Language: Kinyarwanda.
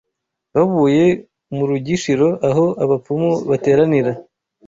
Bavuye mu rugishiro aho abapfumu bateranira